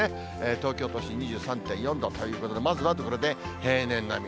東京都心２３．４度ということで、まずまずこれで平年並み。